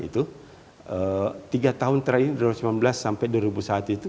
tiga tahun terakhir ini dua ribu sembilan belas sampai dua ribu satu itu